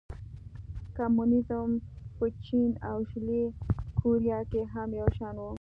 کمونېزم په چین او شلي کوریا کې هم یو شان و.